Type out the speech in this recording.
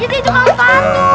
itu tuh di kantor